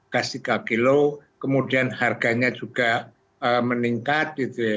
kas tiga kg kemudian harganya juga meningkat